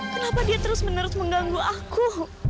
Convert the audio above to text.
kenapa dia terus menerus mengganggu aku